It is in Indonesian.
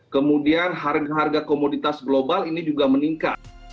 kemudian harga harga komoditas global ini juga meningkat